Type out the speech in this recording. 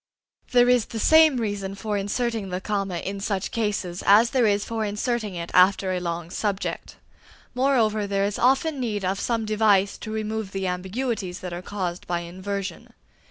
There is the same reason for inserting the comma in such cases as there is for inserting it after a long subject. Moreover, there is often need of some device to remove the ambiguities that are caused by inversion.